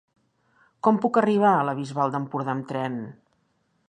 Com puc arribar a la Bisbal d'Empordà amb tren?